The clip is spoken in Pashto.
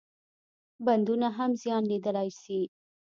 بندونه هم زیان لیدلای شي.